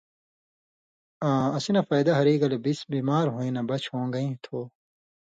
آں اسی نہ فائدہ ہری گلے بِس بیمار ہویں نہ بچ ہوݩگَیں تھو۔